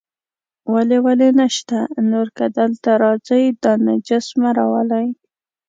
ولې ولې نشته، نور که دلته راځئ، دا نجس مه راولئ.